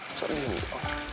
masuk dulu om